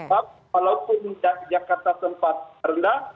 karena walaupun jakarta sempat rendah